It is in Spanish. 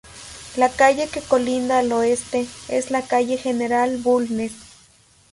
La calle que colinda al oeste, es la calle General Bulnes.